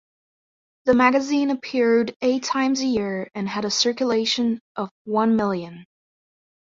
The magazine appeared eight times a year and had a circulation of one million.